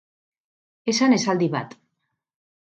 Esan esaldi bat